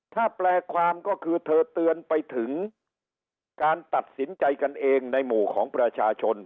ถ้าแปลความก็คือเธอเตือนไปถึงการตัดสินใจกันเองในหมู่ของประชาชน